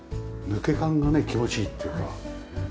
抜け感がね気持ちいいっていうか。